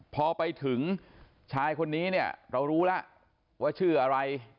พอไปถึงชายคนนี้เนี่ยเรารู้แล้วว่าชื่ออะไร